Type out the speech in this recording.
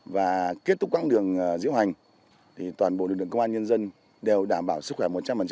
và kết thúc quãng đường diễu hành toàn bộ lực lượng công an nhân dân đều đảm bảo sức khỏe một trăm linh